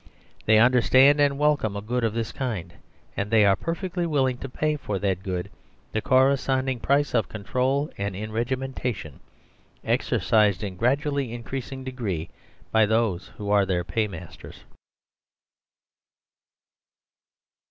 They understand and welcome a good of this kind, and they are perfectly willing to pay for that good the corresponding price of control and enregimen tation, exercised in gradually increasing degree by those who are their paymasters.